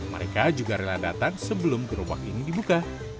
mereka juga rela datang sebelum gerobak ini dibuka